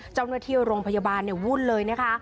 เจ้าหน้าที่โรงพยาบาลวุ่นเลยนะคะ